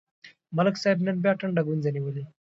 ملک صاحب نن بیا ټنډه ګونځې نیولې.